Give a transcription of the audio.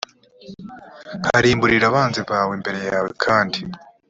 nkarimburira abanzi bawe imbere yawe kandi